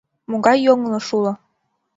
Могай йоҥылыш уло?